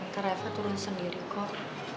ntar reva turun sendiri kok